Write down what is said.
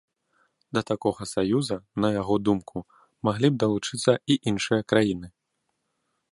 Да такога саюза, на яго думку, маглі б далучыцца і іншыя краіны.